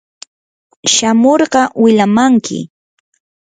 shamurqa wilamanki.